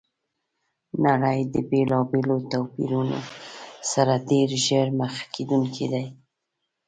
نړۍ د بېلابېلو توپیرونو سره ډېر ژر مخ کېدونکي ده!